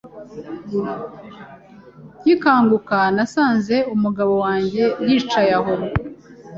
Nkikanguka nasanze umugabo wanjye yicaye aho